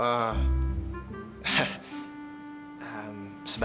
sebaiknya mbak ibu